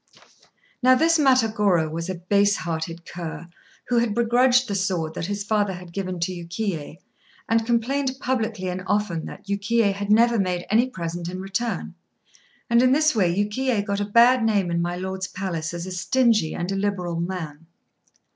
Now this Matagorô was a base hearted cur, who had begrudged the sword that his father had given to Yukiyé, and complained publicly and often that Yukiyé had never made any present in return; and in this way Yukiyé got a bad name in my Lord's palace as a stingy and illiberal man.